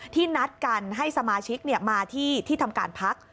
นัดกันให้สมาชิกมาที่ที่ทำการพัก